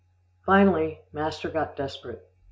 Finally master got desperate.